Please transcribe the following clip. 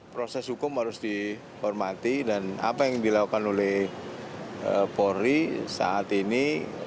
proses hukum harus dihormati dan apa yang dilakukan oleh polri saat ini